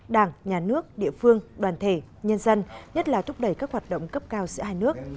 đảng nhà nước địa phương đoàn thể nhân dân nhất là thúc đẩy các hoạt động cấp cao giữa hai nước